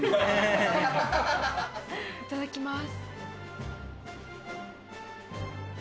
いただきます。